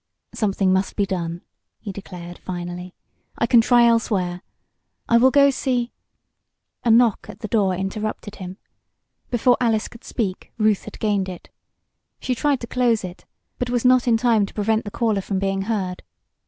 "Something must be done," he declared, finally. "I can try elsewhere. I will go see " A knock at the door interrupted him. Before Alice could speak Ruth had gained it. She tried to close it, but was not in time to prevent the caller from being heard.